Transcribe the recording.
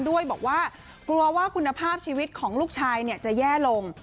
ด้วยบอกว่ากลัวว่าคุณภาพชีวิตของลูกชายจะแย่ลง